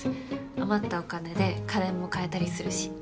余ったお金で家電も買えたりするし。